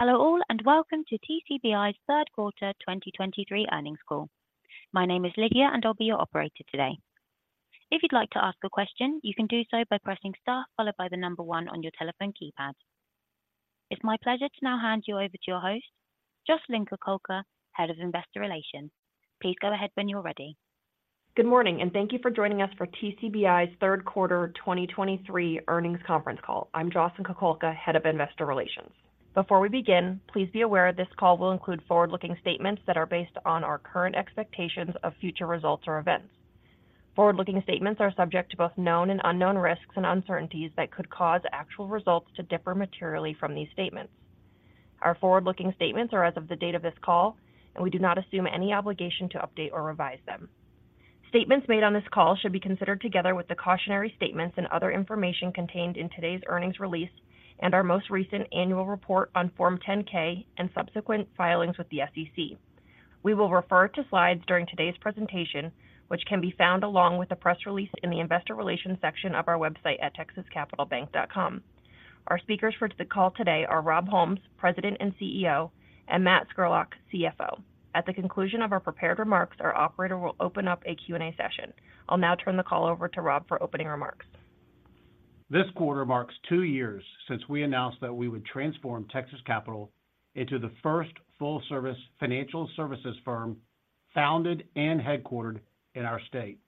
Hello all, and welcome to TCBI's Third Quarter 2023 Earnings Call. My name is Lydia, and I'll be your operator today. If you'd like to ask a question, you can do so by pressing Star, followed by the number 1 on your telephone keypad. It's my pleasure to now hand you over to your host, Jocelyn Kukulka, Head of Investor Relations. Please go ahead when you're ready. Good morning, and thank you for joining us for TCBI's third quarter 2023 earnings conference call. I'm Jocelyn Kukulka, Head of Investor Relations. Before we begin, please be aware this call will include forward-looking statements that are based on our current expectations of future results or events. Forward-looking statements are subject to both known and unknown risks and uncertainties that could cause actual results to differ materially from these statements. Our forward-looking statements are as of the date of this call, and we do not assume any obligation to update or revise them. Statements made on this call should be considered together with the cautionary statements and other information contained in today's earnings release and our most recent annual report on Form 10-K and subsequent filings with the SEC. We will refer to slides during today's presentation, which can be found along with the press release in the Investor Relations section of our website at texascapitalbank.com. Our speakers for the call today are Rob Holmes, President and CEO, and Matt Scurlock, CFO. At the conclusion of our prepared remarks, our operator will open up a Q&A session. I'll now turn the call over to Rob for opening remarks. This quarter marks two years since we announced that we would transform Texas Capital into the first full-service financial services firm, founded and headquartered in our state.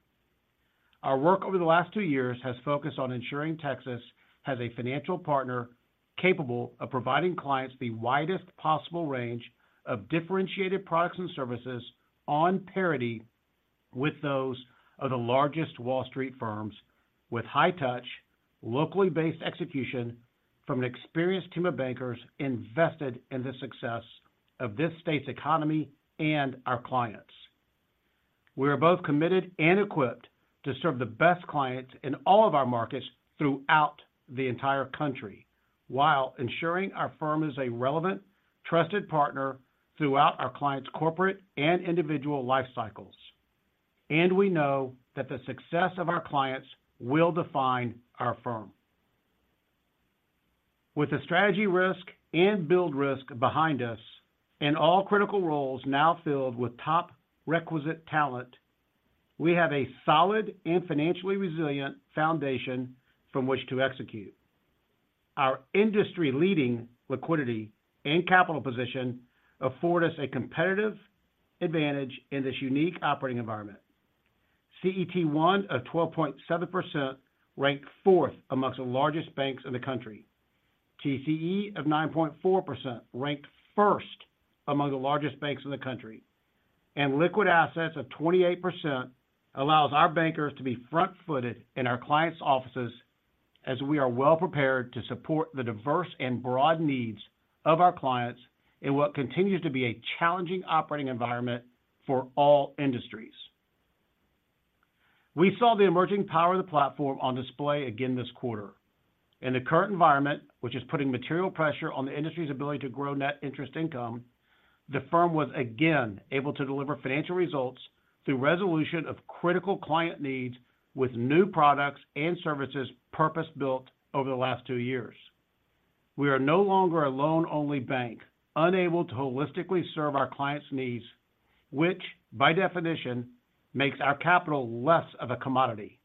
Our work over the last two years has focused on ensuring Texas has a financial partner capable of providing clients the widest possible range of differentiated products and services on parity with those of the largest Wall Street firms, with high touch, locally based execution from an experienced team of bankers invested in the success of this state's economy and our clients. We are both committed and equipped to serve the best clients in all of our markets throughout the entire country, while ensuring our firm is a relevant, trusted partner throughout our clients' corporate and individual life cycles. We know that the success of our clients will define our firm. With the strategy risk and build risk behind us, and all critical roles now filled with top requisite talent, we have a solid and financially resilient foundation from which to execute. Our industry-leading liquidity and capital position afford us a competitive advantage in this unique operating environment. CET1 of 12.7% ranked fourth among the largest banks in the country. TCE of 9.4%, ranked first among the largest banks in the country, and liquid assets of 28% allows our bankers to be front-footed in our clients' offices as we are well prepared to support the diverse and broad needs of our clients in what continues to be a challenging operating environment for all industries. We saw the emerging power of the platform on display again this quarter. In the current environment, which is putting material pressure on the industry's ability to grow net interest income, the firm was again able to deliver financial results through resolution of critical client needs with new products and services purpose-built over the last two years. We are no longer a loan-only bank, unable to holistically serve our clients' needs, which, by definition, makes our capital less of a commodity.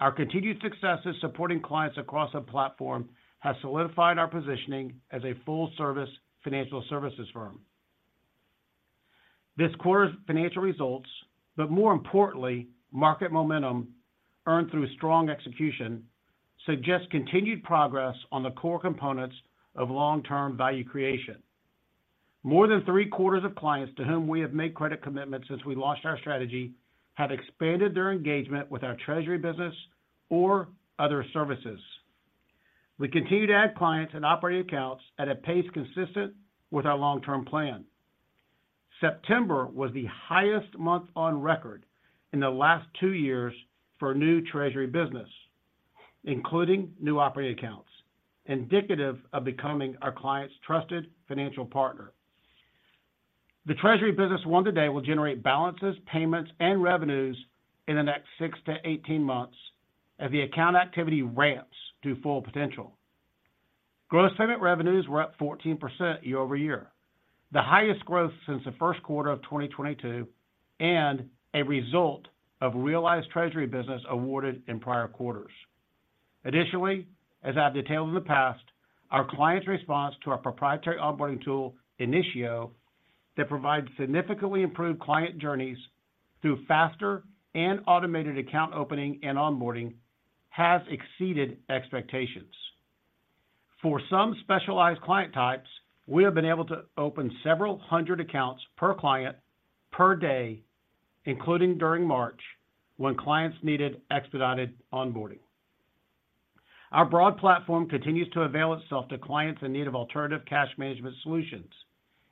Our continued successes supporting clients across the platform has solidified our positioning as a full-service financial services firm. This quarter's financial results, but more importantly, market momentum earned through strong execution, suggests continued progress on the core components of long-term value creation. More than three-quarters of clients to whom we have made credit commitments since we launched our strategy have expanded their engagement with our treasury business or other services. We continue to add clients and operating accounts at a pace consistent with our long-term plan. September was the highest month on record in the last two years for new treasury business, including new operating accounts, indicative of becoming our client's trusted financial partner. The treasury business won today will generate balances, payments, and revenues in the next 6-18 months as the account activity ramps to full potential. Gross segment revenues were up 14% year-over-year, the highest growth since the first quarter of 2022, and a result of realized treasury business awarded in prior quarters. Additionally, as I've detailed in the past, our clients' response to our proprietary onboarding tool, Initio, that provides significantly improved client journeys through faster and automated account opening and onboarding, has exceeded expectations. For some specialized client types, we have been able to open several hundred accounts per client per day, including during March, when clients needed expedited onboarding. Our broad platform continues to avail itself to clients in need of alternative cash management solutions.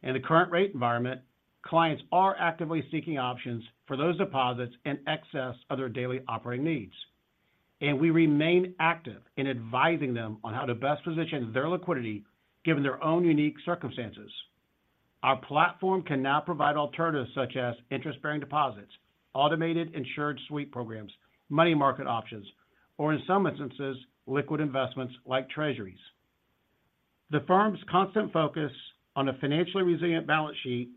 In the current rate environment, clients are actively seeking options for those deposits in excess of their daily operating needs, and we remain active in advising them on how to best position their liquidity given their own unique circumstances. Our platform can now provide alternatives such as interest-bearing deposits, automated insured sweep programs, money market options, or in some instances, liquid investments like Treasuries. The firm's constant focus on a financially resilient balance sheet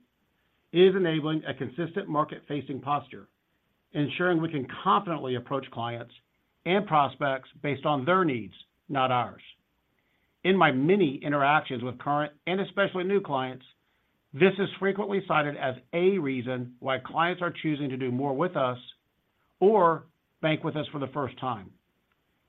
is enabling a consistent market-facing posture, ensuring we can confidently approach clients and prospects based on their needs, not ours. In my many interactions with current and especially new clients, this is frequently cited as a reason why clients are choosing to do more with us or bank with us for the first time.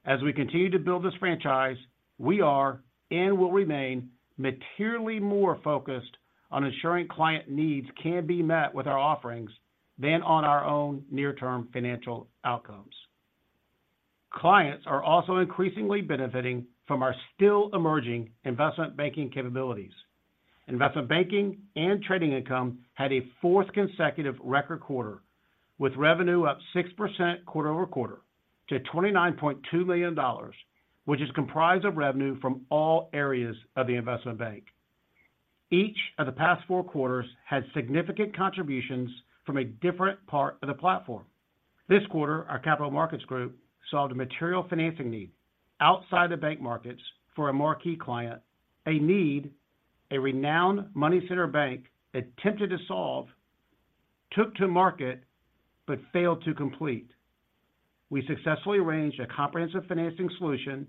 As we continue to build this franchise, we are, and will remain materially more focused on ensuring client needs can be met with our offerings than on our own near-term financial outcomes. Clients are also increasingly benefiting from our still emerging investment banking capabilities. Investment banking and trading income had a fourth consecutive record quarter, with revenue up 6% quarter-over-quarter to $29.2 million, which is comprised of revenue from all areas of the investment bank. Each of the past four quarters had significant contributions from a different part of the platform. This quarter, our capital markets group solved a material financing need outside the bank markets for a marquee client, a need a renowned money center bank attempted to solve, took to market, but failed to complete. We successfully arranged a comprehensive financing solution,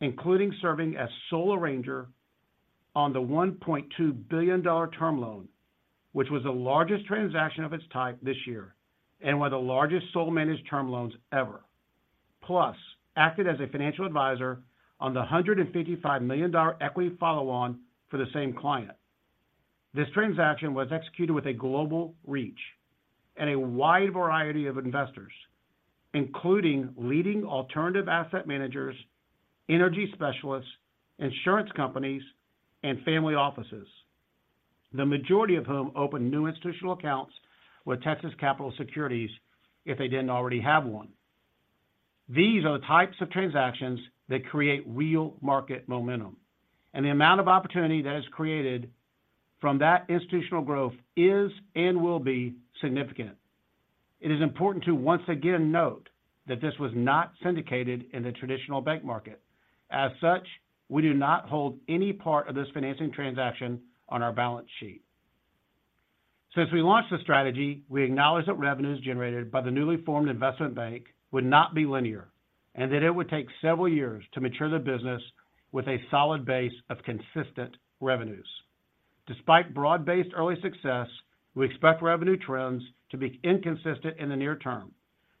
including serving as sole arranger on the $1 billion-$2 billion term loan, which was the largest transaction of its type this year, and one of the largest sole managed term loans ever. Plus, acted as a financial advisor on the $155 million equity follow-on for the same client. This transaction was executed with a global reach and a wide variety of investors, including leading alternative asset managers, energy specialists, insurance companies, and family offices. The majority of whom opened new institutional accounts with Texas Capital Securities if they didn't already have one. These are the types of transactions that create real market momentum, and the amount of opportunity that is created from that institutional growth is and will be significant. It is important to once again note that this was not syndicated in the traditional bank market. As such, we do not hold any part of this financing transaction on our balance sheet. Since we launched the strategy, we acknowledge that revenues generated by the newly formed investment bank would not be linear, and that it would take several years to mature the business with a solid base of consistent revenues. Despite broad-based early success, we expect revenue trends to be inconsistent in the near term,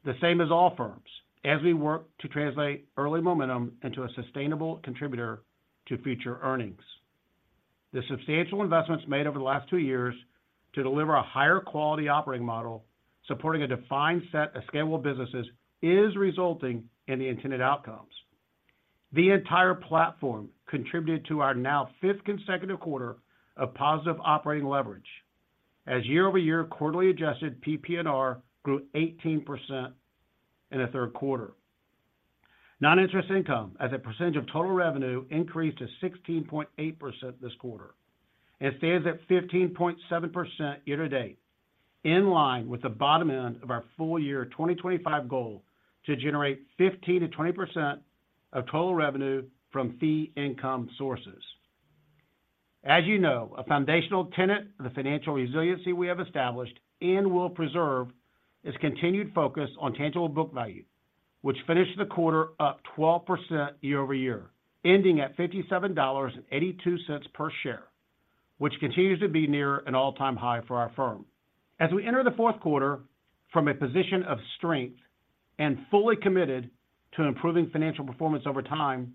the same as all firms, as we work to translate early momentum into a sustainable contributor to future earnings. The substantial investments made over the last two years to deliver a higher quality operating model, supporting a defined set of scalable businesses, is resulting in the intended outcomes. The entire platform contributed to our now fifth consecutive quarter of positive operating leverage. As year-over-year, quarterly adjusted PPNR grew 18% in the third quarter. Non-interest income, as a percentage of total revenue, increased to 16.8% this quarter, and stands at 15.7% year to date, in line with the bottom end of our full-year 2025 goal to generate 15%-20% of total revenue from fee income sources. As you know, a foundational tenet of the financial resiliency we have established and will preserve, is continued focus on tangible book value, which finished the quarter up 12% year-over-year, ending at $57.82 per share, which continues to be near an all-time high for our firm. As we enter the fourth quarter from a position of strength and fully committed to improving financial performance over time,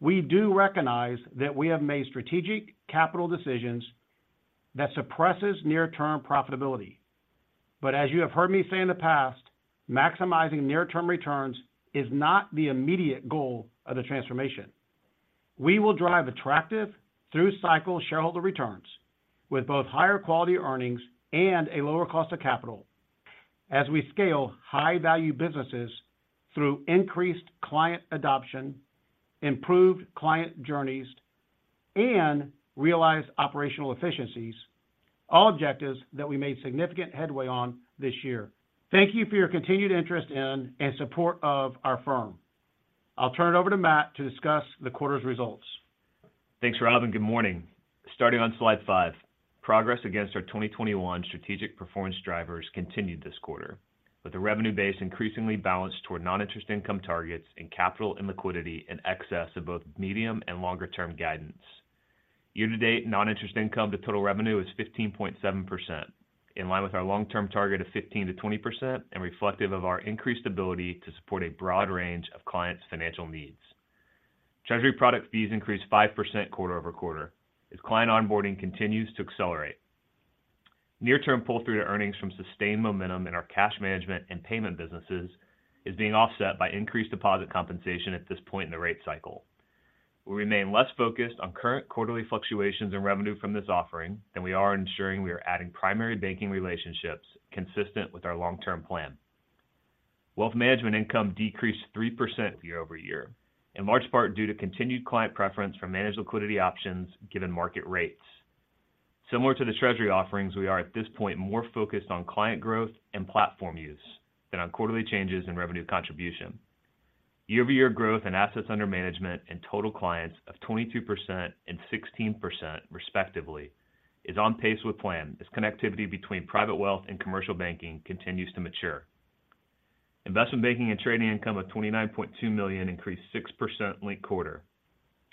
we do recognize that we have made strategic capital decisions that suppresses near-term profitability. But as you have heard me say in the past, maximizing near-term returns is not the immediate goal of the transformation. We will drive attractive through-cycle shareholder returns with both higher quality earnings and a lower cost of capital as we scale high-value businesses through increased client adoption, improved client journeys, and realize operational efficiencies, all objectives that we made significant headway on this year. Thank you for your continued interest in and support of our firm. I'll turn it over to Matt to discuss the quarter's results. Thanks, Rob and good morning. Starting on slide five. Progress against our 2021 strategic performance drivers continued this quarter, with the revenue base increasingly balanced toward non-interest income targets and capital and liquidity in excess of both medium- and longer-term guidance. Year to date, non-interest income to total revenue is 15.7%, in line with our long-term target of 15% to 20%, and reflective of our increased ability to support a broad range of clients' financial needs. Treasury product fees increased 5% quarter over quarter, as client onboarding continues to accelerate. Near-term pull-through to earnings from sustained momentum in our cash management and payment businesses is being offset by increased deposit compensation at this point in the rate cycle. We remain less focused on current quarterly fluctuations in revenue from this offering than we are ensuring we are adding primary banking relationships consistent with our long-term plan. Wealth management income decreased 3% year-over-year, in large part due to continued client preference for managed liquidity options, given market rates. Similar to the treasury offerings, we are, at this point, more focused on client growth and platform use than on quarterly changes in revenue contribution. Year-over-year growth and assets under management and total clients of 22% and 16% respectively, is on pace with plan, as connectivity between private wealth and commercial banking continues to mature. Investment banking and trading income of $29.2 million increased 6% linked quarter,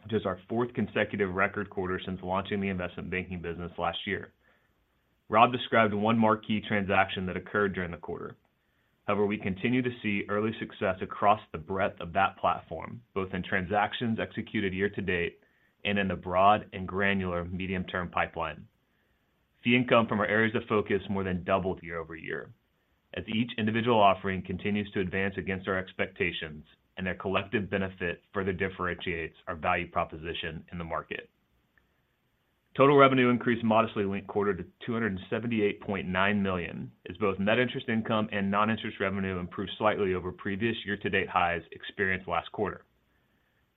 which is our fourth consecutive record quarter since launching the investment banking business last year. Rob described one marquee transaction that occurred during the quarter. However, we continue to see early success across the breadth of that platform, both in transactions executed year to date and in the broad and granular medium-term pipeline. Fee income from our areas of focus more than doubled year-over-year, as each individual offering continues to advance against our expectations and their collective benefit further differentiates our value proposition in the market. Total revenue increased modestly linked quarter to $278.9 million, as both net interest income and non-interest revenue improved slightly over previous year-to-date highs experienced last quarter.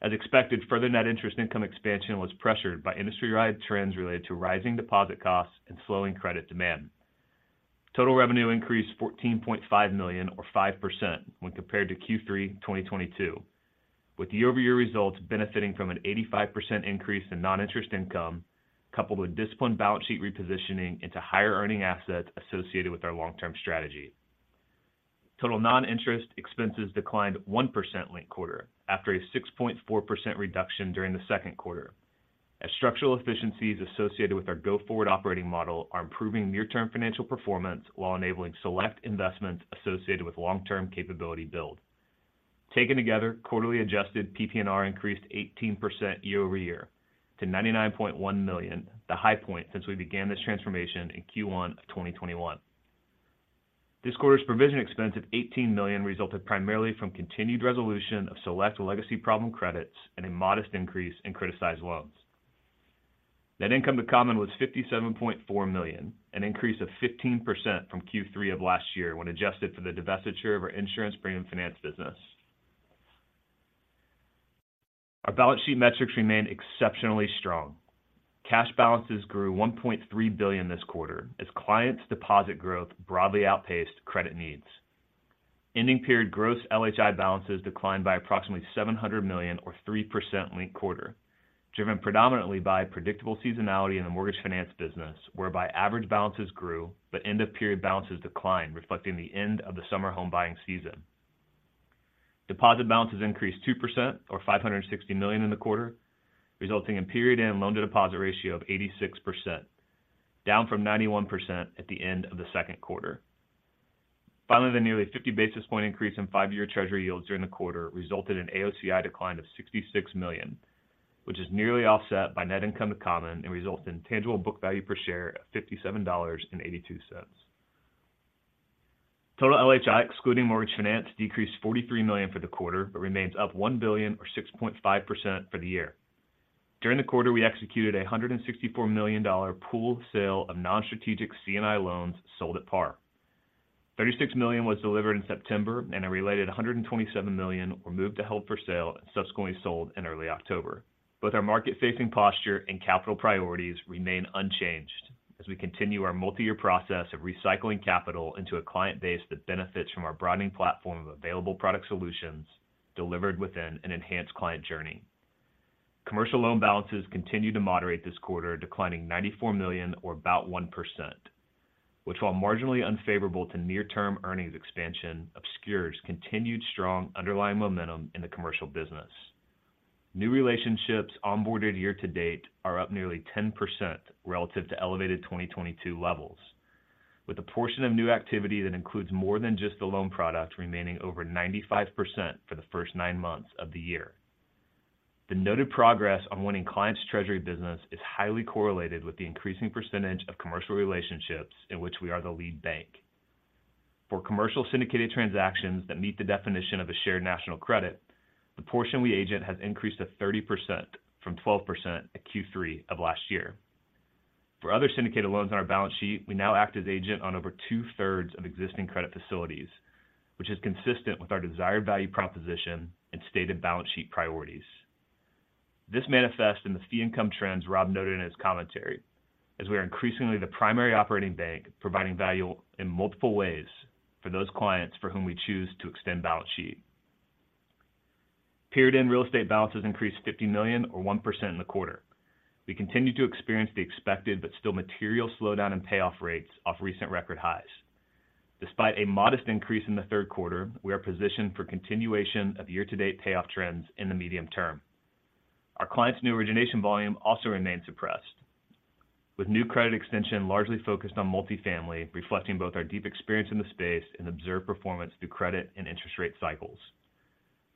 As expected, further net interest income expansion was pressured by industry-wide trends related to rising deposit costs and slowing credit demand. Total revenue increased $14.5 million or 5% when compared to Q3 2022, with year-over-year results benefiting from an 85% increase in non-interest income, coupled with disciplined balance sheet repositioning into higher earning assets associated with our long-term strategy. Total non-interest expenses declined 1% linked quarter after a 6.4% reduction during the second quarter, as structural efficiencies associated with our go-forward operating model are improving near-term financial performance while enabling select investments associated with long-term capability build. Taken together, quarterly adjusted PPNR increased 18% year-over-year to $99.1 million, the high point since we began this transformation in Q1 of 2021. This quarter's provision expense of $18 million resulted primarily from continued resolution of select legacy problem credits and a modest increase in criticized loans. Net income to common was $57.4 million, an increase of 15% from Q3 of last year, when adjusted for the divestiture of our insurance premium finance business. Our balance sheet metrics remain exceptionally strong. Cash balances grew $1.3 billion this quarter as clients' deposit growth broadly outpaced credit needs. Ending period gross LHI balances declined by approximately $700 million or 3% linked quarter, driven predominantly by predictable seasonality in the mortgage finance business, whereby average balances grew but end-of-period balances declined, reflecting the end of the summer home buying season. Deposit balances increased 2% or $560 million in the quarter, resulting in period end loan to deposit ratio of 86%, down from 91% at the end of the second quarter. Finally, the nearly 50 basis points increase in five-year Treasury yields during the quarter resulted in AOCI decline of $66 million, which is nearly offset by net income to common and results in tangible book value per share of $57.82. Total LHI, excluding mortgage finance, decreased $43 million for the quarter, but remains up $1 billion or 6.5% for the year. During the quarter, we executed a $164 million pooled sale of non-strategic C&I loans sold at par. $36 million was delivered in September, and a related $127 million were moved to held for sale and subsequently sold in early October. Both our market-facing posture and capital priorities remain unchanged as we continue our multi-year process of recycling capital into a client base that benefits from our broadening platform of available product solutions delivered within an enhanced client journey. Commercial loan balances continued to moderate this quarter, declining $94 million or about 1%, which, while marginally unfavorable to near-term earnings expansion, obscures continued strong underlying momentum in the commercial business. New relationships onboarded year to date are up nearly 10% relative to elevated 2022 levels, with a portion of new activity that includes more than just the loan product remaining over 95% for the first nine months of the year. The noted progress on winning clients' treasury business is highly correlated with the increasing percentage of commercial relationships in which we are the lead bank. For commercial syndicated transactions that meet the definition of a Shared National Credit, the portion we agent has increased to 30% from 12% at Q3 of last year. For other syndicated loans on our balance sheet, we now act as agent on over two-thirds of existing credit facilities, which is consistent with our desired value proposition and stated balance sheet priorities. This manifests in the fee income trends Rob noted in his commentary, as we are increasingly the primary operating bank, providing value in multiple ways for those clients for whom we choose to extend balance sheet. Period end real estate balances increased $50 million or 1% in the quarter. We continue to experience the expected but still material slowdown in payoff rates off recent record highs. Despite a modest increase in the third quarter, we are positioned for continuation of year-to-date payoff trends in the medium term. Our clients' new origination volume also remains suppressed, with new credit extension largely focused on multifamily, reflecting both our deep experience in the space and observed performance through credit and interest rate cycles.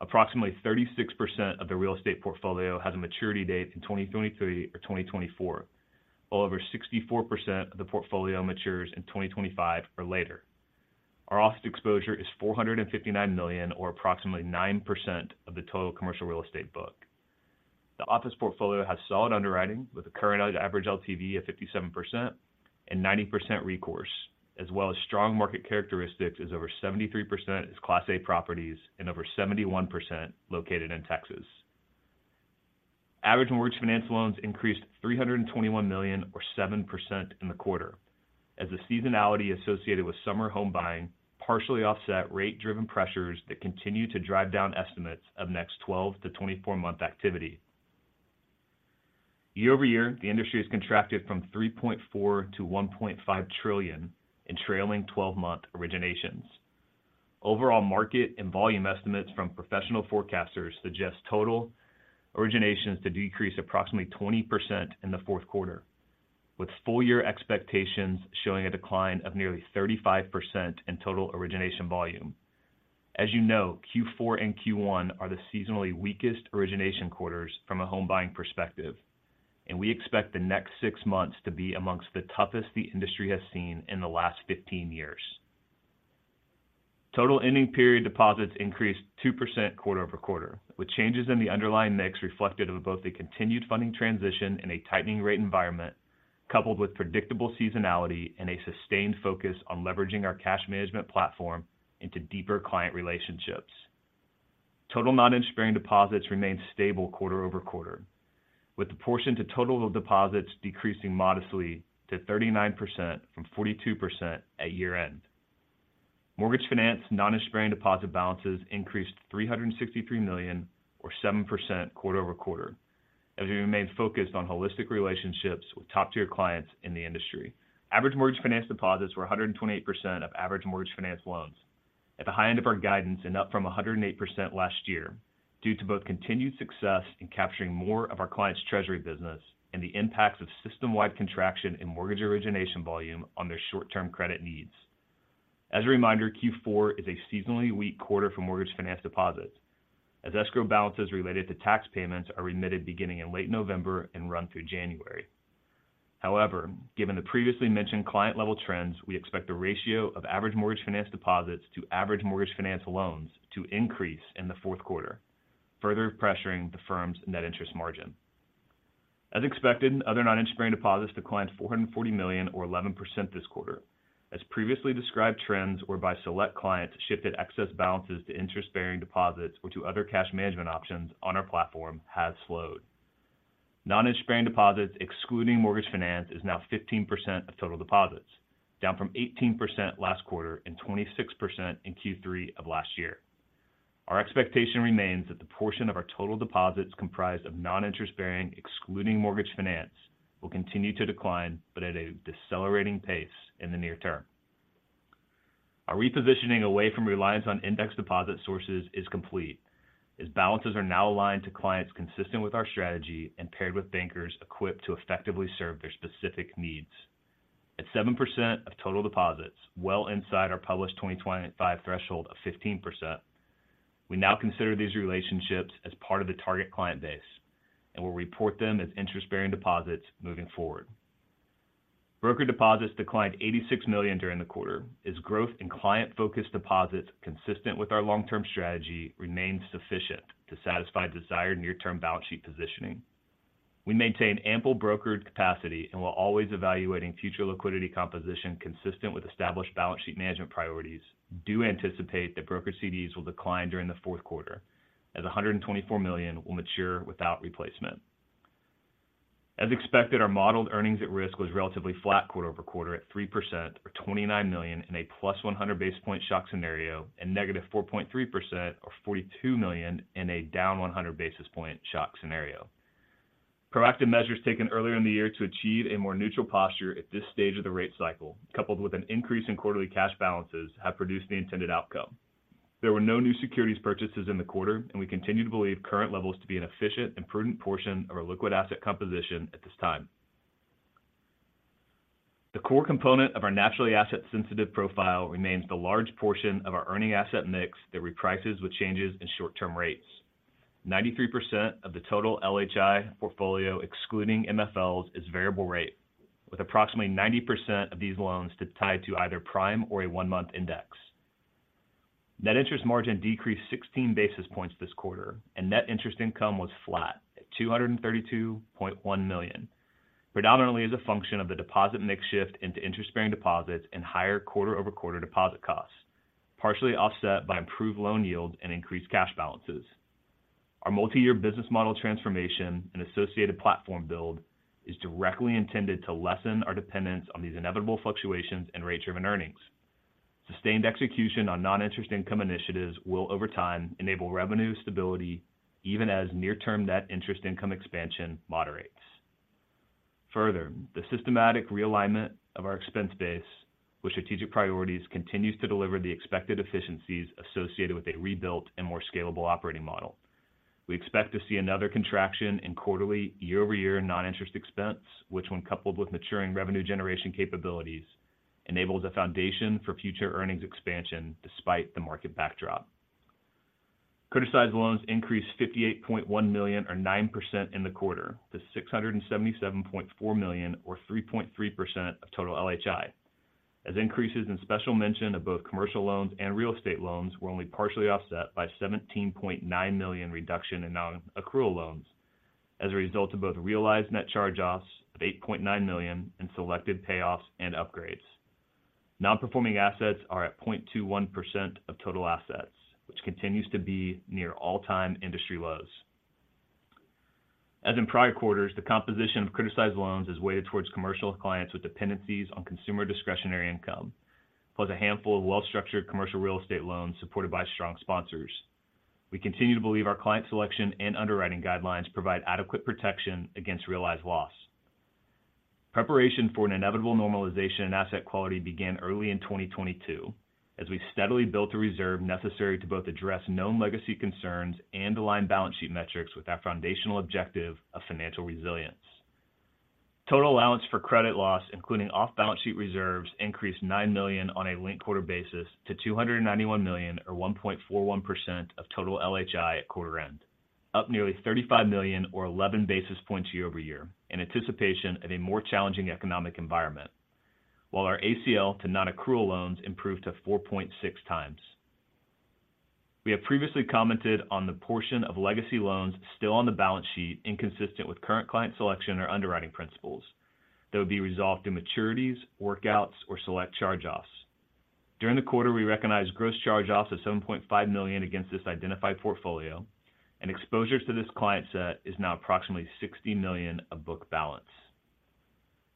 Approximately 36% of the real estate portfolio has a maturity date in 2023 or 2024, while over 64% of the portfolio matures in 2025 or later. Our offset exposure is $459 million or approximately 9% of the total commercial real estate book. The office portfolio has solid underwriting, with a current average LTV of 57% and 90% recourse, as well as strong market characteristics, as over 73% is Class A properties and over 71% located in Texas. Average mortgage finance loans increased $321 million or 7% in the quarter, as the seasonality associated with summer home buying partially offset rate-driven pressures that continue to drive down estimates of next 12-24 month activity. Year-over-year, the industry has contracted from $3.4 trillion-$1.5 trillion in trailing 12-month originations. Overall market and volume estimates from professional forecasters suggest total originations to decrease approximately 20% in the fourth quarter, with full-year expectations showing a decline of nearly 35% in total origination volume. As you know, Q4 and Q1 are the seasonally weakest origination quarters from a home buying perspective, and we expect the next six months to be among the toughest the industry has seen in the last 15 years. Total ending period deposits increased 2% quarter-over-quarter, with changes in the underlying mix reflected of both a continued funding transition and a tightening rate environment, coupled with predictable seasonality and a sustained focus on leveraging our cash management platform into deeper client relationships. Total non-interest-bearing deposits remained stable quarter-over-quarter, with the portion to total deposits decreasing modestly to 39% from 42% at year-end. Mortgage finance non-interest-bearing deposit balances increased $363 million, or 7% quarter-over-quarter, as we remained focused on holistic relationships with top-tier clients in the industry. Average mortgage finance deposits were 128% of average mortgage finance loans at the high end of our guidance and up from 108% last year, due to both continued success in capturing more of our clients' treasury business and the impacts of system-wide contraction in mortgage origination volume on their short-term credit needs. As a reminder, Q4 is a seasonally weak quarter for mortgage finance deposits, as escrow balances related to tax payments are remitted beginning in late November and run through January. However, given the previously mentioned client-level trends, we expect the ratio of average mortgage finance deposits to average mortgage finance loans to increase in the fourth quarter, further pressuring the firm's net interest margin. As expected, other non-interest-bearing deposits declined $440 million, or 11% this quarter, as previously described trends whereby select clients shifted excess balances to interest-bearing deposits or to other cash management options on our platform has slowed. Non-interest-bearing deposits, excluding mortgage finance, is now 15% of total deposits, down from 18% last quarter and 26% in Q3 of last year. Our expectation remains that the portion of our total deposits comprised of non-interest-bearing, excluding mortgage finance, will continue to decline, but at a decelerating pace in the near term. Our repositioning away from reliance on index deposit sources is complete, as balances are now aligned to clients consistent with our strategy and paired with bankers equipped to effectively serve their specific needs. At 7% of total deposits, well inside our published 2025 threshold of 15%, we now consider these relationships as part of the target client base and will report them as interest-bearing deposits moving forward. Broker deposits declined $86 million during the quarter as growth in client-focused deposits, consistent with our long-term strategy, remained sufficient to satisfy desired near-term balance sheet positioning. We maintain ample brokered capacity and, while always evaluating future liquidity composition consistent with established balance sheet management priorities, do anticipate that broker CDs will decline during the fourth quarter as $124 million will mature without replacement. As expected, our modeled earnings at risk was relatively flat quarter-over-quarter at 3% or $29 million in a +100 basis point shock scenario, and -4.3% or $42 million in a down 100 basis point shock scenario. Proactive measures taken earlier in the year to achieve a more neutral posture at this stage of the rate cycle, coupled with an increase in quarterly cash balances, have produced the intended outcome. There were no new securities purchases in the quarter, and we continue to believe current levels to be an efficient and prudent portion of our liquid asset composition at this time. The core component of our naturally asset-sensitive profile remains the large portion of our earning asset mix that reprices with changes in short-term rates. 93% of the total LHI portfolio, excluding MFLs, is variable rate, with approximately 90% of these loans tied to either prime or a one-month index. Net interest margin decreased 16 basis points this quarter, and net interest income was flat at $232.1 million, predominantly as a function of the deposit mix shift into interest-bearing deposits and higher quarter-over-quarter deposit costs, partially offset by improved loan yields and increased cash balances. Our multi-year business model transformation and associated platform build is directly intended to lessen our dependence on these inevitable fluctuations in rate-driven earnings. Sustained execution on non-interest income initiatives will, over time, enable revenue stability even as near-term net interest income expansion moderates. Further, the systematic realignment of our expense base with strategic priorities continues to deliver the expected efficiencies associated with a rebuilt and more scalable operating model. We expect to see another contraction in quarterly, year-over-year non-interest expense, which, when coupled with maturing revenue generation capabilities, enables a foundation for future earnings expansion despite the market backdrop. Criticized loans increased $58.1 million, or 9% in the quarter, to $677.4 million, or 3.3% of total LHI, as increases in special mention of both commercial loans and real estate loans were only partially offset by $17.9 million reduction in non-accrual loans as a result of both realized net charge-offs of $8.9 million and selected payoffs and upgrades. Non-performing assets are at 0.21% of total assets, which continues to be near all-time industry lows. As in prior quarters, the composition of criticized loans is weighted towards commercial clients with dependencies on consumer discretionary income, plus a handful of well-structured commercial real estate loans supported by strong sponsors. We continue to believe our client selection and underwriting guidelines provide adequate protection against realized loss. Preparation for an inevitable normalization in asset quality began early in 2022, as we steadily built a reserve necessary to both address known legacy concerns and align balance sheet metrics with our foundational objective of financial resilience. Total allowance for credit loss, including off-balance sheet reserves, increased $9 million on a linked quarter basis to $291 million, or 1.41% of total LHI at quarter end, up nearly $35 million or 11 basis points year-over-year, in anticipation of a more challenging economic environment, while our ACL to non-accrual loans improved to 4.6 times. We have previously commented on the portion of legacy loans still on the balance sheet, inconsistent with current client selection or underwriting principles, that would be resolved in maturities, workouts, or select charge-offs. During the quarter, we recognized gross charge-offs of $7.5 million against this identified portfolio, and exposures to this client set is now approximately $60 million of book balance.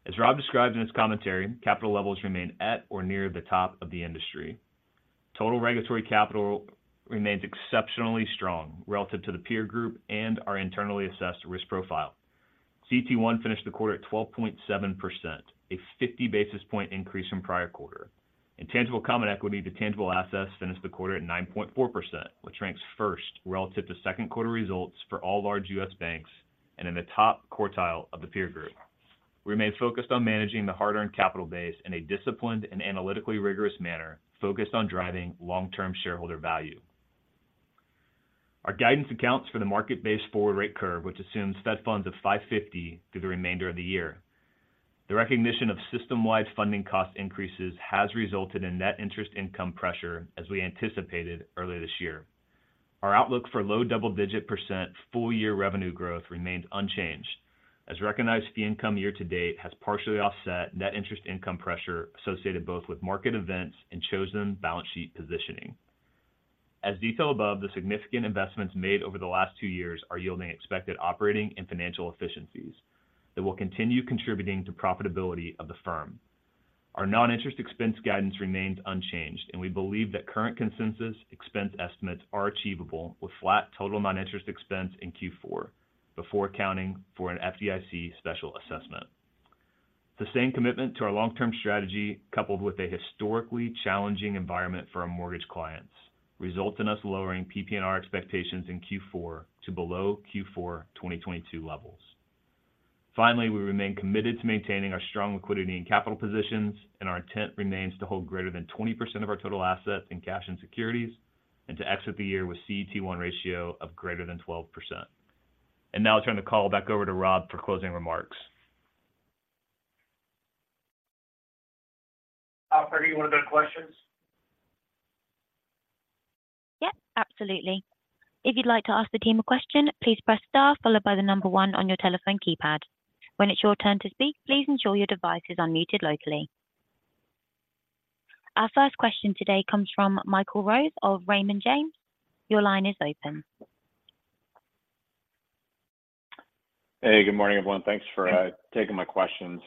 As Rob described in his commentary, capital levels remain at or near the top of the industry. Total regulatory capital remains exceptionally strong relative to the peer group and our internally assessed risk profile. CET1 finished the quarter at 12.7%, a 50 basis point increase from prior quarter. Tangible common equity to tangible assets finished the quarter at 9.4%, which ranks first relative to second quarter results for all large U.S. banks and in the top quartile of the peer group. We remain focused on managing the hard-earned capital base in a disciplined and analytically rigorous manner, focused on driving long-term shareholder value. Our guidance accounts for the market-based forward rate curve, which assumes Fed funds of 5.50% through the remainder of the year. The recognition of system-wide funding cost increases has resulted in net interest income pressure as we anticipated earlier this year. Our outlook for low double-digit % full-year revenue growth remains unchanged, as recognized fee income year to date has partially offset net interest income pressure associated both with market events and chosen balance sheet positioning. As detailed above, the significant investments made over the last two years are yielding expected operating and financial efficiencies that will continue contributing to profitability of the firm. Our non-interest expense guidance remains unchanged, and we believe that current consensus expense estimates are achievable with flat total non-interest expense in Q4 before accounting for an FDIC special assessment. The same commitment to our long-term strategy, coupled with a historically challenging environment for our mortgage clients, results in us lowering PPNR expectations in Q4 to below Q4 2022 levels. Finally, we remain committed to maintaining our strong liquidity and capital positions, and our intent remains to hold greater than 20% of our total assets in cash and securities, and to exit the year with CET1 ratio of greater than 12%. And now I'll turn the call back over to Rob for closing remarks. Operator, are there any other questions? Yep, absolutely. If you'd like to ask the team a question, please press star followed by the number one on your telephone keypad. When it's your turn to speak, please ensure your device is unmuted locally. Our first question today comes from Michael Rose of Raymond James. Your line is open. Hey, good morning, everyone. Thanks for taking my questions.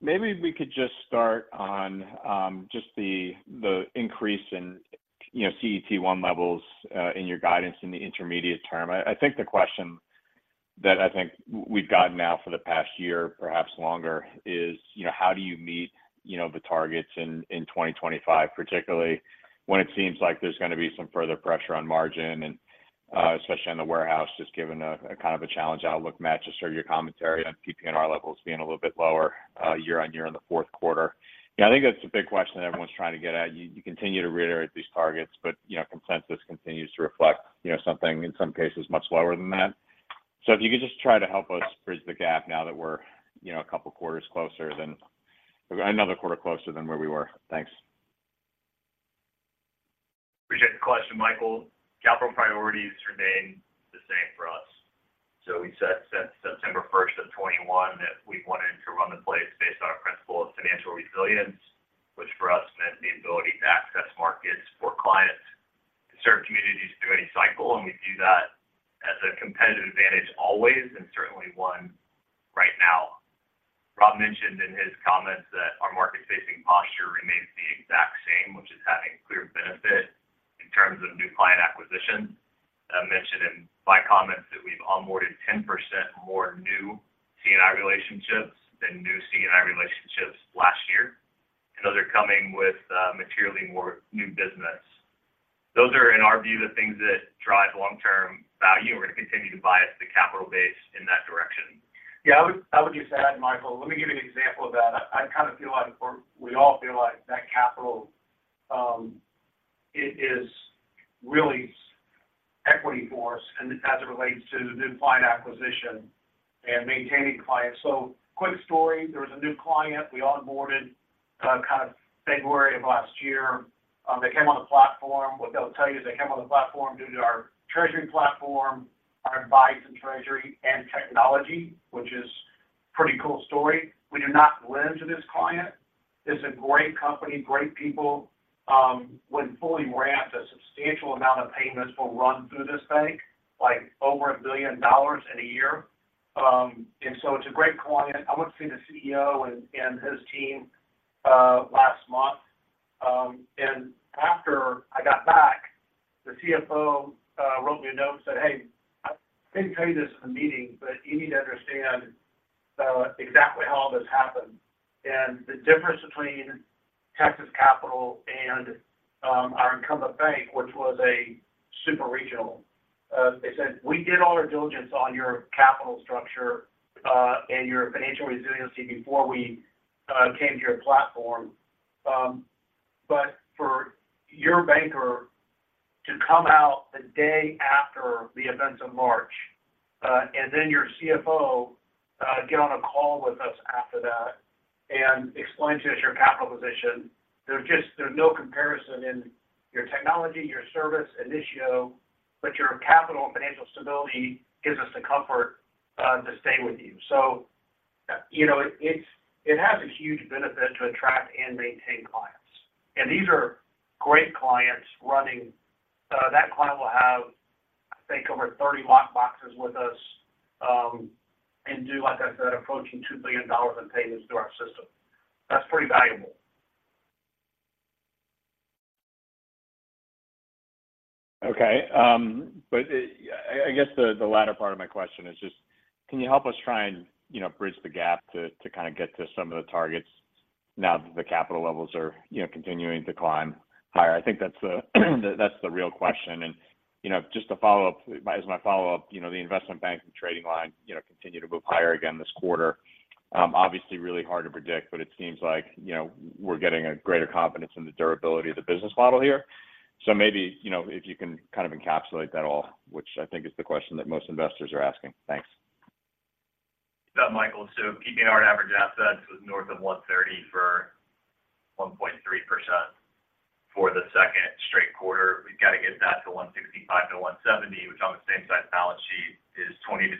Maybe we could just start on just the increase in, you know, CET1 levels in your guidance in the intermediate term. I think the question that I think we've gotten now for the past year, perhaps longer, is, you know, how do you meet, you know, the targets in 2025, particularly when it seems like there's going to be some further pressure on margin and especially on the warehouse, just given a kind of challenge outlook matches or your commentary on PPNR levels being a little bit lower year-on-year in the fourth quarter? Yeah, I think that's the big question everyone's trying to get at. You continue to reiterate these targets, but, you know, consensus continues to reflect, you know, something, in some cases, much lower than that. So if you could just try to help us bridge the gap now that we're, you know, a couple of quarters closer than another quarter closer than where we were. Thanks. Appreciate the question, Michael. Capital priorities remain the same for us. We said since September 1, 2021, that we wanted to run the place based on a principle of financial resilience, which for us meant the ability to access markets for clients to serve communities through any cycle. We view that as a competitive advantage always, and certainly one right now. Rob mentioned in his comments that our market-facing posture remains the exact same, which is having clear benefit in terms of new client acquisition. I mentioned in my comments that we've onboarded 10% more new C&I relationships than new C&I relationships last year, and those are coming with materially more new business. Those are, in our view, the things that drive long-term value, and we're going to continue to bias the capital base in that direction. Yeah, I would just add, Michael, let me give you an example of that. I kind of feel like we're—we all feel like that capital, it is really-... equity for us and as it relates to new client acquisition and maintaining clients. So quick story, there was a new client we onboarded, kind of February of last year. They came on the platform. What they'll tell you is they came on the platform due to our treasury platform, our advice in treasury and technology, which is pretty cool story. We do not lend to this client. This is a great company, great people. When fully ramped, a substantial amount of payments will run through this bank, like over $1 billion in a year. And so it's a great client. I went to see the CEO and his team last month, and after I got back, the CFO wrote me a note and said, "Hey, I didn't tell you this in the meeting, but you need to understand exactly how all this happened." And the difference between Texas Capital and our incumbent bank, which was a super regional. They said, "We did all our diligence on your capital structure and your financial resiliency before we came to your platform. But for your banker to come out the day after the events of March, and then your CFO get on a call with us after that and explain to us your capital position, there's just no comparison in your technology, your service, Initio, but your capital and financial stability gives us the comfort to stay with you." So you know, it's, it has a huge benefit to attract and maintain clients. And these are great clients running... That client will have, I think, over 30 lockboxes with us, and do, like I said, approaching $2 billion in payments through our system. That's pretty valuable. Okay. But, I guess the latter part of my question is just, can you help us try and, you know, bridge the gap to kind of get to some of the targets now that the capital levels are, you know, continuing to climb higher? I think that's the real question. And, you know, just to follow up, as my follow-up, you know, the investment bank and trading line, you know, continue to move higher again this quarter. Obviously really hard to predict, but it seems like, you know, we're getting a greater confidence in the durability of the business model here. So maybe, you know, if you can kind of encapsulate that all, which I think is the question that most investors are asking. Thanks. Yeah, Michael. So PPNR average assets was north of 1.30 for 1.3% for the second straight quarter. We've got to get that to 1.65-1.70, which on the same side of the balance sheet is $20-$25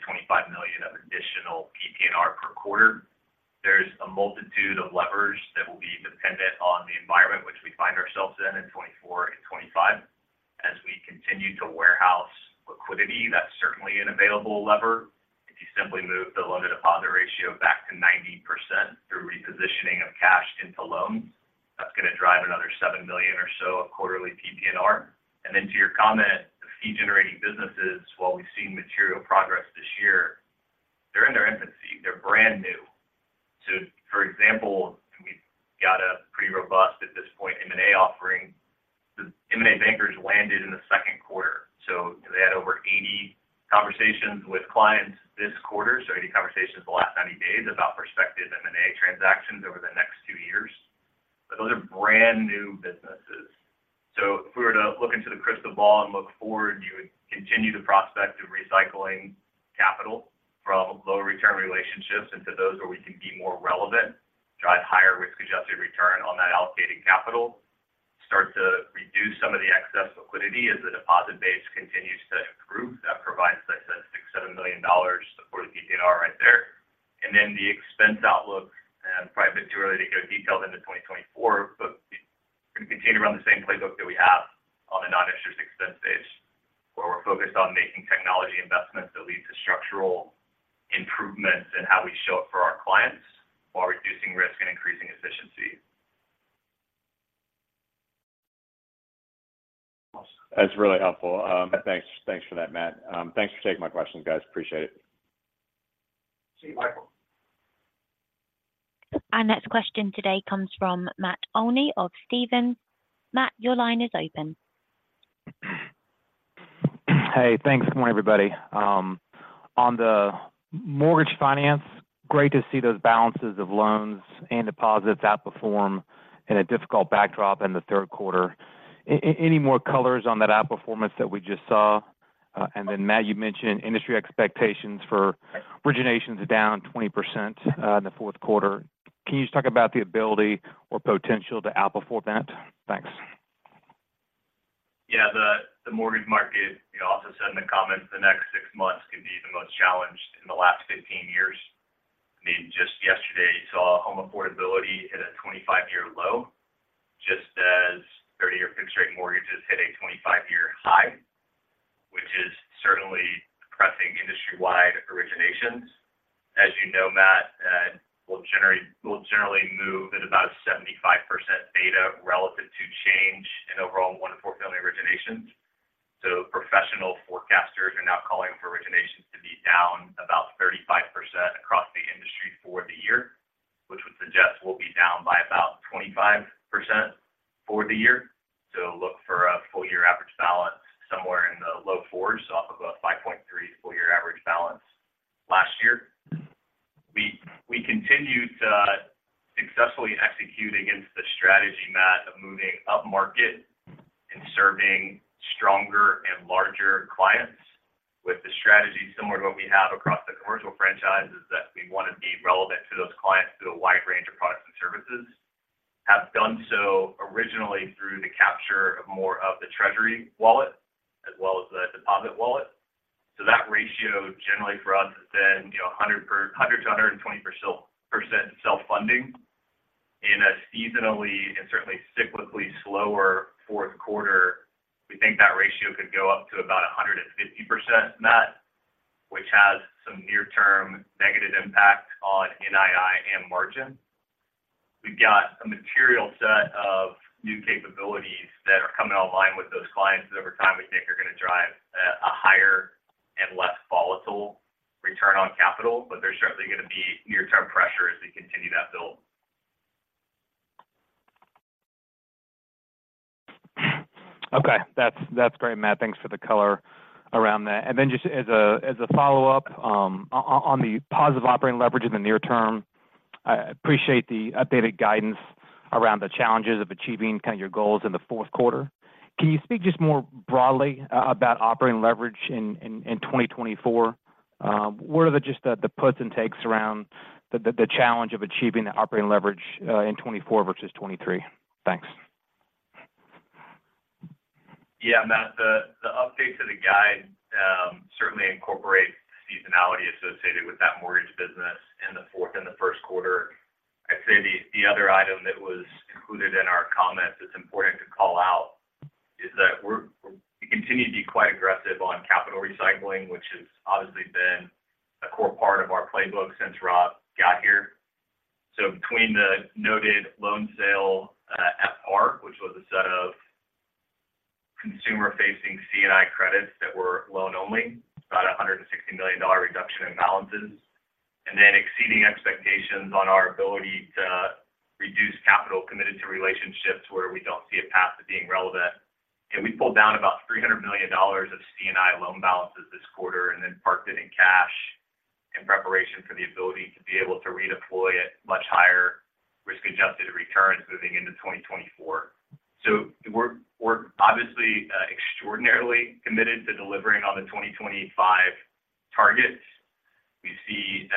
million of additional PPNR per quarter. There's a multitude of levers that will be dependent on the environment which we find ourselves in, in 2024 and 2025, as we continue to warehouse liquidity. That's certainly an available lever. If you simply move the loan-to-deposit ratio back to 90% through repositioning of cash into loans, that's going to drive another $7 million or so of quarterly PPNR. And then to your comment, the fee-generating businesses, while we've seen material progress this year, they're in their infancy, they're brand new. So for example, we've got a pretty robust at this point, M&A offering. The M&A bankers landed in the second quarter, so they had over 80 conversations with clients this quarter. So 80 conversations the last 90 days about prospective M&A transactions over the next two years. But those are brand new businesses. So if we were to look into the crystal ball and look forward, you would continue the prospect of recycling capital from low return relationships into those where we can be more relevant, drive higher risk-adjusted return on that allocated capital, start to reduce some of the excess liquidity as the deposit base continues to improve. That provides, like I said, $6 million-$7 million for the PPNR right there. And then the expense outlook, and probably a bit too early to go detailed into 2024, but we're going to continue to run the same playbook that we have on the non-interest expense base, where we're focused on making technology investments that lead to structural improvements in how we show up for our clients while reducing risk and increasing efficiency. Awesome. That's really helpful. Thanks, thanks for that, Matt. Thanks for taking my questions, guys. Appreciate it. See you, Michael. Our next question today comes from Matt Olney of Stephens. Matt, your line is open. Hey, thanks. Good morning, everybody. On the mortgage finance, great to see those balances of loans and deposits outperform in a difficult backdrop in the third quarter. Any more colors on that outperformance that we just saw? And then, Matt, you mentioned industry expectations for originations down 20% in the fourth quarter. Can you just talk about the ability or potential to outperform that? Thanks. Yeah, the mortgage market, you also said in the comments, the next six months could be the most challenged in the last 15 years. I mean, just yesterday, saw home affordability at a 25-year low, just as 30-year fixed-rate mortgages hit a 25-year high, which is certainly depressing industry-wide originations. As you know, Matt, we'll generate—we'll generally move at about 75% beta relative to change in overall one of four family originations. So professional forecasters are now calling for originations to be down about 35% across the industry for the year, which would suggest we'll be down by about 25% for the year. So look for a full year average balance somewhere in the low 4s off of a 5.3-... Moving upmarket and serving stronger and larger clients with the strategy similar to what we have across the commercial franchises, that we want to be relevant to those clients through a wide range of products and services. Have done so originally through the capture of more of the treasury wallet as well as the deposit wallet. So that ratio generally for us has been, you know, 100% to 120% self-funding in a seasonally and certainly cyclically slower fourth quarter. We think that ratio could go up to about 150% net, which has some near-term negative impact on NII and margin. We've got a material set of new capabilities that are coming online with those clients that over time we think are going to drive a higher and less volatile return on capital, but there's certainly going to be near-term pressure as we continue that build. Okay, that's great, Matt. Thanks for the color around that. And then just as a follow-up, on the positive operating leverage in the near term, I appreciate the updated guidance around the challenges of achieving kind of your goals in the fourth quarter. Can you speak just more broadly about operating leverage in 2024? What are just the puts and takes around the challenge of achieving the operating leverage in 2024 versus 2023? Thanks. Yeah, Matt, the update to the guide certainly incorporates seasonality associated with that mortgage business in the fourth and the first quarter. I'd say the other item that was included in our comments that's important to call out is that we continue to be quite aggressive on capital recycling, which has obviously been a core part of our playbook since Rob got here. So between the noted loan sale at par, which was a set of consumer-facing C&I credits that were loan only, about a $160 million reduction in balances, and then exceeding expectations on our ability to reduce capital committed to relationships where we don't see a path to being relevant. And we pulled down about $300 million of C&I loan balances this quarter, and then parked it in cash in preparation for the ability to be able to redeploy at much higher risk-adjusted returns moving into 2024. So we're obviously extraordinarily committed to delivering on the 2025 targets. We see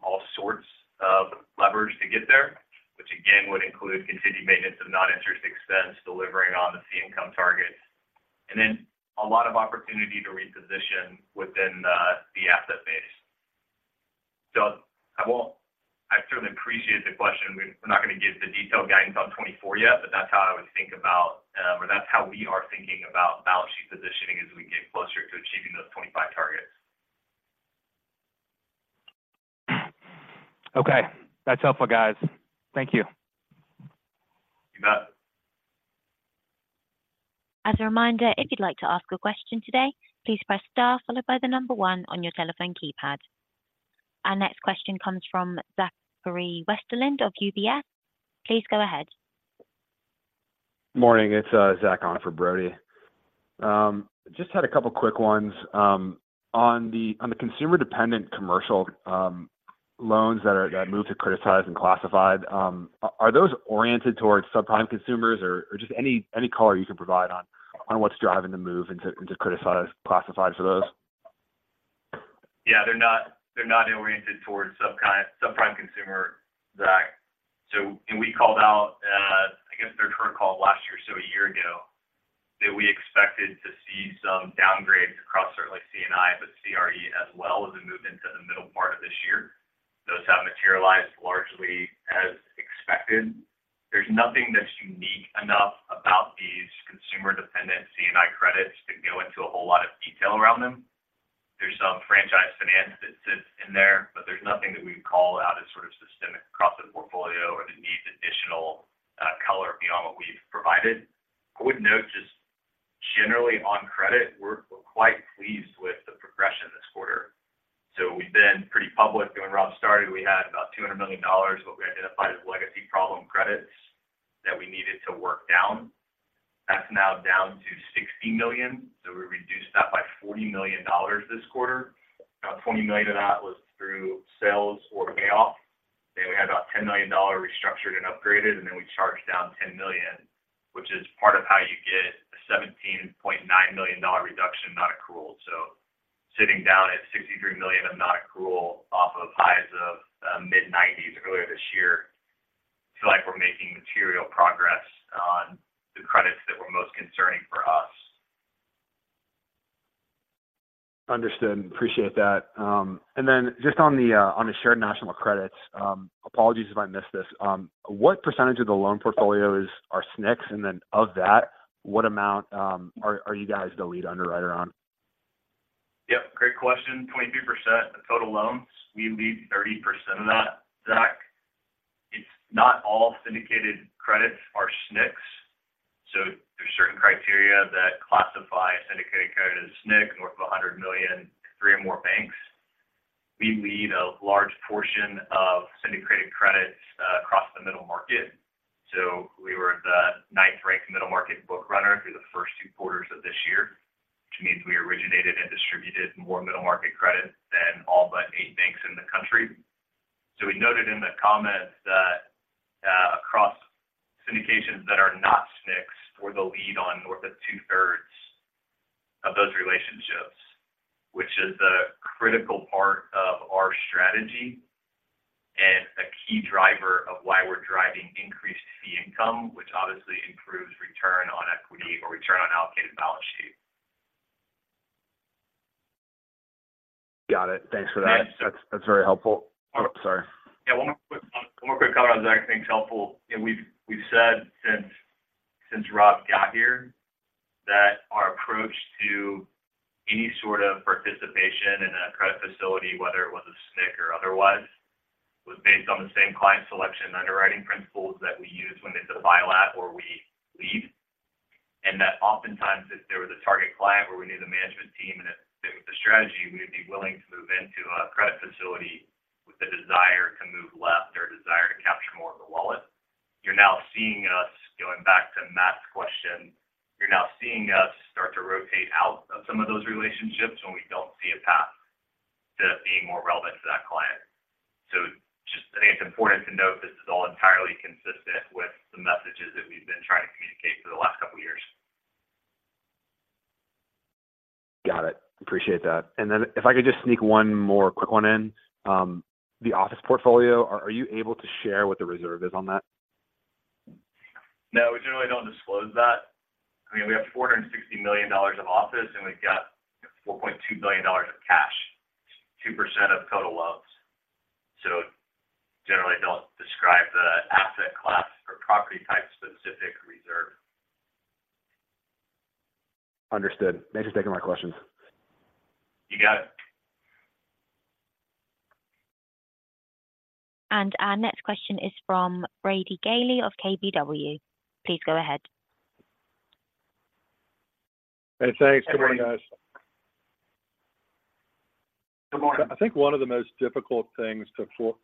all sorts of leverage to get there, which again, would include continued maintenance of non-interest expense, delivering on the fee income targets, and then a lot of opportunity to reposition within the asset base. So I won't - I certainly appreciate the question. We're not going to give the detailed guidance on 2024 yet, but that's how I would think about, or that's how we are thinking about balance sheet positioning as we get closer to achieving those 2025 targets. Okay. That's helpful, guys. Thank you. You bet. As a reminder, if you'd like to ask a question today, please press star followed by the number one on your telephone keypad. Our next question comes from Zachary Westerlind of UBS. Please go ahead. Morning, it's Zach on for Brody. Just had a couple quick ones. On the consumer-dependent commercial loans that moved to criticized and classified, are those oriented towards subprime consumers or just any color you can provide on what's driving the move into criticized classified for those? Yeah, they're not, they're not oriented towards subprime consumer, Zach. So, and we called out, I guess, their current call last year, so a year ago, that we expected to see some downgrades across certainly C&I, but CRE as well, as a move into the middle part of this year. Those have materialized largely as expected. There's nothing that's unique enough about these consumer-dependent C&I credits to go into a whole lot of detail around them. There's some franchise finance that sits in there, but there's nothing that we'd call out as sort of systemic across the portfolio or that needs additional color beyond what we've provided. I would note, just generally on credit, we're quite pleased with the progression this quarter. So we've been pretty public. When Rob started, we had about $200 million, what we identified as legacy problem credits, that we needed to work down. That's now down to $60 million, so we reduced that by $40 million this quarter. About $20 million of that was through sales or payoff. Then we had about $10 million restructured and upgraded, and then we charged down $10 million, which is part of how you get a $17.9 million reduction, nonaccrual. So sitting down at $63 million of nonaccrual off of highs of mid-90s earlier this year, feel like we're making material progress on the credits that were most concerning for us. Understood. Appreciate that. And then just on the Shared National Credits, apologies if I missed this. What percentage of the loan portfolios are SNCs, and then of that, what amount are you guys the lead underwriter on? Yep, great question. 22% of total loans, we lead 30% of that. Zach, it's not all syndicated credits are SNCs, so there's certain criteria that classify a syndicated credit as a SNC, north of $100 million, 3 or more banks. We lead a large portion of syndicated credits across the middle market. So we were the 9th-ranked middle market book runner through the first two quarters of this year, which means we originated-... more middle market credit than all but eight banks in the country. So we noted in the comments that, across syndications that are not SNCs, we're the lead on north of two-thirds of those relationships, which is a critical part of our strategy and a key driver of why we're driving increased fee income, which obviously improves return on equity or return on allocated balance sheet. Got it. Thanks for that. Yeah. That's very helpful. Oh, sorry. Yeah, one more quick, one more quick comment on that. I think it's helpful, and we've, we've said since, since Rob got here that our approach to any sort of participation in a credit facility, whether it was a SNC or otherwise, was based on the same client selection, underwriting principles that we use when they do a bilat or we lead. And that oftentimes, if there was a target client or we knew the management team and if it was the strategy, we would be willing to move into a credit facility with the desire to move left or desire to capture more of the wallet. You're now seeing us, going back to Matt's question, you're now seeing us start to rotate out of some of those relationships when we don't see a path to being more relevant to that client. Just, I think it's important to note this is all entirely consistent with the messages that we've been trying to communicate for the last couple of years. Got it. Appreciate that. Then if I could just sneak one more quick one in. The office portfolio, are you able to share what the reserve is on that? No, we generally don't disclose that. I mean, we have $460 million of office, and we've got $4.2 billion of cash, 2% of total loans. So generally don't describe the asset class or property type-specific reserve. Understood. Thanks for taking my questions. You got it. Our next question is from Brady Gailey of KBW. Please go ahead. Hey, thanks. Good morning, guys. Good morning. I think one of the most difficult things to forecast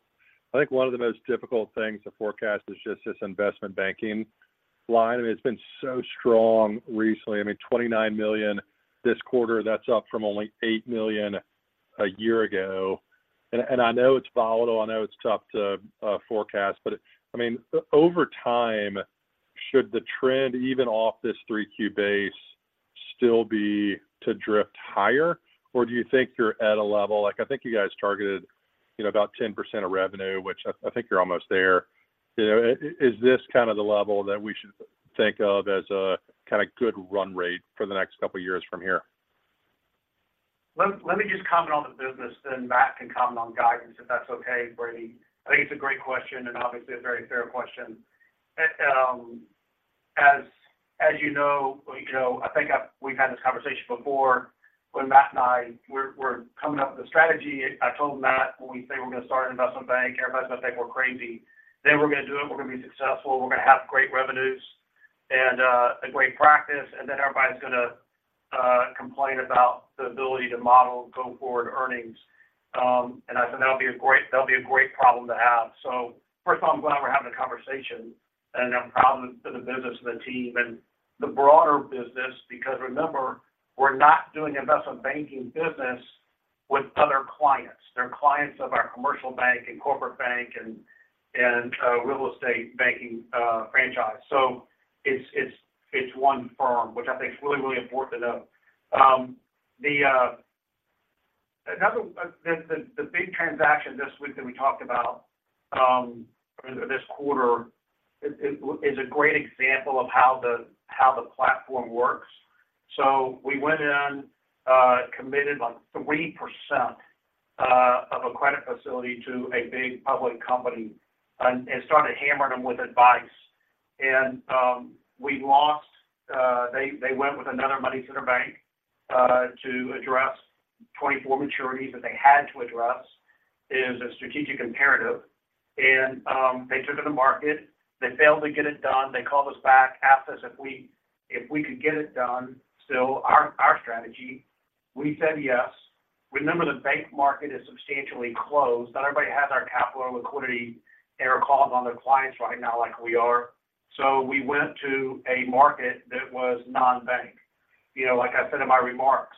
is just this investment banking line. I mean, it's been so strong recently. I mean, $29 million this quarter, that's up from only $8 million a year ago. And, and I know it's volatile. I know it's tough to forecast, but I mean, over time, should the trend even off this 3Q base still be to drift higher? Or do you think you're at a level-- like, I think you guys targeted, you know, about 10% of revenue, which I, I think you're almost there. You know, is this kind of the level that we should think of as a kind of good run rate for the next couple of years from here? Let me just comment on the business, then Matt can comment on guidance, if that's okay, Brady. I think it's a great question and obviously a very fair question. As you know, you know, I think we've had this conversation before when Matt and I were coming up with a strategy. I told Matt when we say we're going to start an investment bank, everybody's going to think we're crazy. Then we're going to do it, we're going to be successful, we're going to have great revenues and a great practice, and then everybody's gonna complain about the ability to model go forward earnings. And I said, "That'll be a great problem to have." So first of all, I'm glad we're having a conversation, and I'm proud of the business and the team and the broader business, because remember, we're not doing investment banking business with other clients. They're clients of our commercial bank and corporate bank and real estate banking franchise. So it's one firm, which I think is really, really important to note. Another big transaction this week that we talked about this quarter is a great example of how the platform works. So we went in, committed like 3% of a credit facility to a big public company and started hammering them with advice. We lost. They went with another money center bank to address 24 maturities that they had to address is a strategic imperative. They took it to market. They failed to get it done. They called us back, asked us if we could get it done. So our strategy, we said yes. Remember, the bank market is substantially closed. Not everybody has our capital or liquidity on their calls on their clients right now like we are. So we went to a market that was non-bank. You know, like I said in my remarks,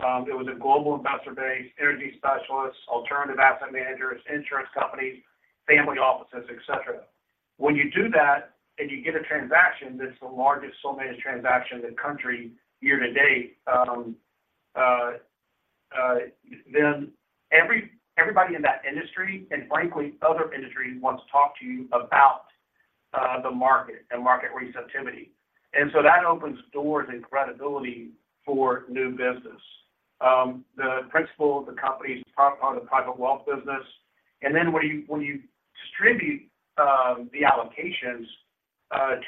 it was a global investor base, energy specialists, alternative asset managers, insurance companies, family offices, et cetera. When you do that and you get a transaction that's the largest sole managed transaction in the country year to date, then everybody in that industry, and frankly, other industries, wants to talk to you about the market and market receptivity. And so that opens doors and credibility for new business. The principal of the company is part of the private wealth business. And then when you, when you distribute the allocations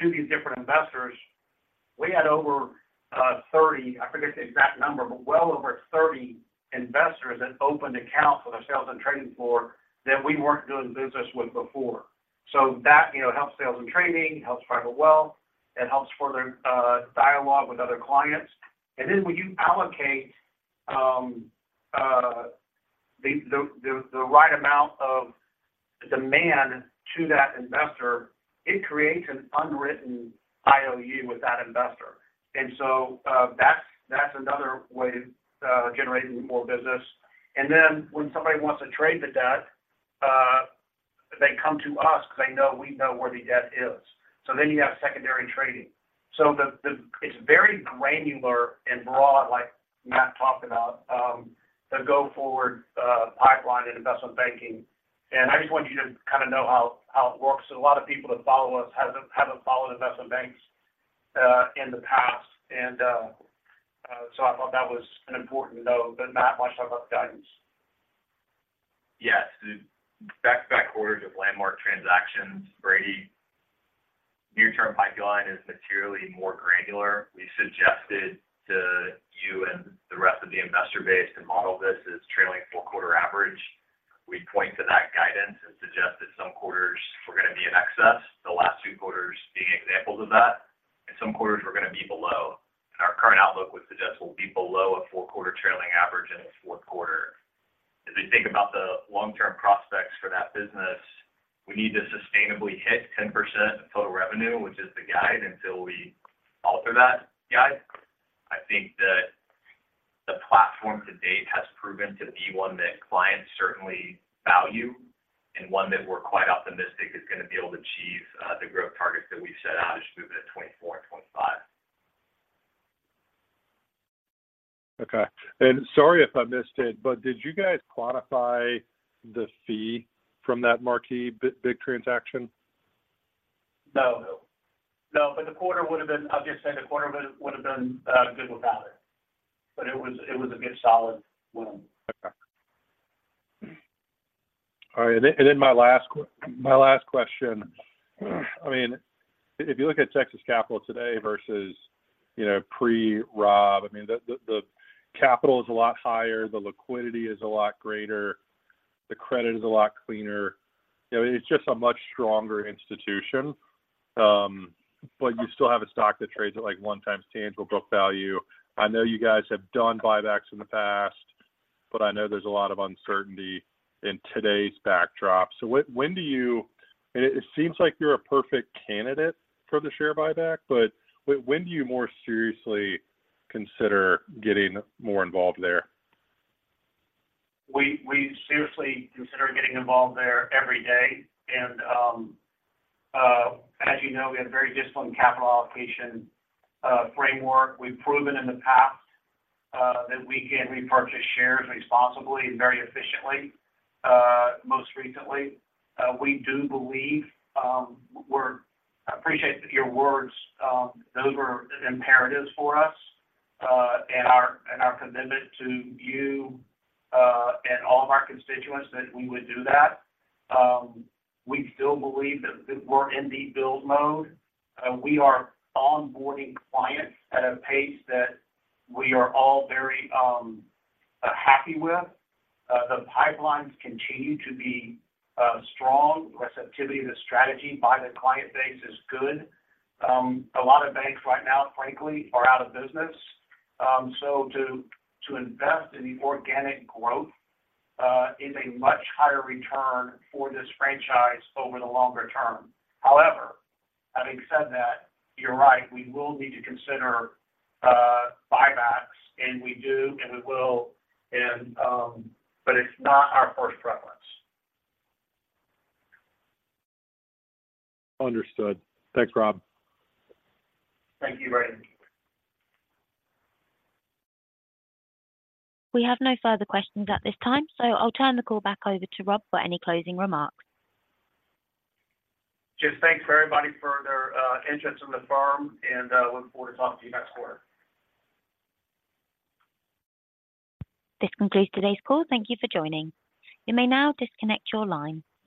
to these different investors, we had over 30, I forget the exact number, but well over 30 investors that opened accounts with our sales and trading floor that we weren't doing business with before. So that, you know, helps sales and trading, helps private wealth, it helps further dialogue with other clients. And then when you allocate... Right amount of demand to that investor, it creates an unwritten IOU with that investor. And so, that's another way of generating more business. And then when somebody wants to trade the debt, they come to us because they know we know where the debt is. So then you have secondary trading. So it's very granular and broad, like Matt talked about, the go-forward pipeline in investment banking. And I just want you to kind of know how it works. A lot of people that follow us haven't followed investment banks in the past. And so I thought that was an important to know. But, Matt, why don't you talk about the guidance? Yes. Back-to-back quarters of landmark transactions, Brady. Near-term pipeline is materially more granular. We suggested to you and the rest of the investor base to model this as trailing four-quarter average. We'd point to that guidance and suggest that some quarters were going to be in excess, the last two quarters being examples of that, and some quarters were going to be below. Our current outlook would suggest we'll be below a four-quarter trailing average in the fourth quarter. As we think about the long-term prospects for that business, we need to sustainably hit 10% of total revenue, which is the guide, until we alter that guide. I think that the platform to date has proven to be one that clients certainly value and one that we're quite optimistic is going to be able to achieve the growth targets that we've set out as we move into 2024 and 2025. Okay. And sorry if I missed it, but did you guys quantify the fee from that marquee big transaction? No. No, but the quarter would have been... I'll just say the quarter would have been good without it, but it was a good solid win. Okay. All right. And then my last question. I mean, if you look at Texas Capital today versus, you know, pre-Rob, I mean, the capital is a lot higher, the liquidity is a lot greater, the credit is a lot cleaner. You know, it's just a much stronger institution. But you still have a stock that trades at, like, 1x tangible book value. I know you guys have done buybacks in the past, but I know there's a lot of uncertainty in today's backdrop. So when do you, and it seems like you're a perfect candidate for the share buyback, but when do you more seriously consider getting more involved there? We seriously consider getting involved there every day. As you know, we have a very disciplined capital allocation framework. We've proven in the past that we can repurchase shares responsibly and very efficiently, most recently. We do believe. I appreciate your words. Those were imperatives for us and our commitment to you and all of our constituents that we would do that. We still believe that we're in the build mode. We are onboarding clients at a pace that we are all very happy with. The pipelines continue to be strong. Receptivity to the strategy by the client base is good. A lot of banks right now, frankly, are out of business. So to invest in the organic growth is a much higher return for this franchise over the longer term. However, having said that, you're right, we will need to consider buybacks, and we do, and we will, but it's not our first preference. Understood. Thanks, Rob. Thank you, Brady. We have no further questions at this time, so I'll turn the call back over to Rob for any closing remarks. Just thanks, everybody, for their interest in the firm, and looking forward to talking to you next quarter. This concludes today's call. Thank you for joining. You may now disconnect your line.